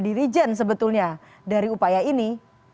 dirijen sebetulnya dari upaya ini